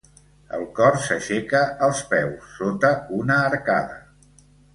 El cor s'aixeca als peus, sota una arcada.